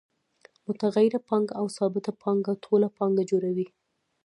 متغیره پانګه او ثابته پانګه ټوله پانګه جوړوي